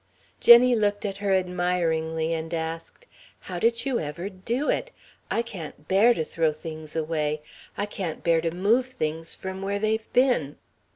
Jenny looked at her admiringly, and asked: "How did you ever do it? I can't bear to throw things away. I can't bear to move things from where they've been."